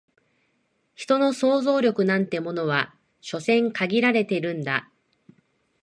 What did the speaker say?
人の想像力なんてものは所詮限られてるんだ